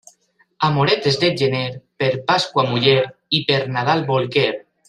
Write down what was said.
Amoretes de gener, per Pasqua muller i per Nadal bolquer.